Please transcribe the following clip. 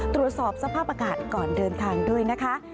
ตรวจสอบสภาพอากาศก่อนเดินทางด้วยนะคะ